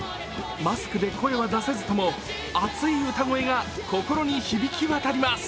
マスクで声を出せずとも熱い歌声が心に響き渡ります。